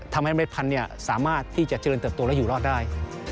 ทำให้เมล็ดพันธุ์สามารถที่จะเจริญเติบโตและอยู่รอดได้